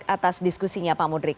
terima kasih atas diskusinya pak mudrik